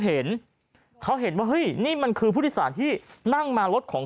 เห็นเขาเห็นว่าเฮ้ยนี่มันคือผู้โดยสารที่นั่งมารถของ